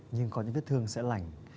nhưng có những viết thương sẽ lành